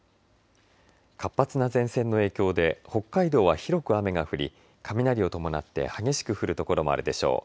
活発な前線の影響で北海道は広く雨が降り雷を伴って激しく降る所もあるでしょう。